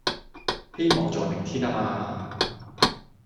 希望在明天吖嘛